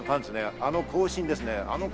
あの行進です。